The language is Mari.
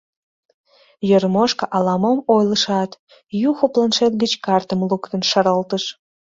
Йормошка ала-мом ойлышат, Юхо планшет гыч картым луктын шаралтыш.